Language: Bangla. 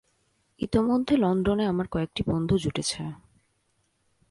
ইতোমধ্যে লণ্ডনে আমার কয়েকটি বন্ধু জুটেছে।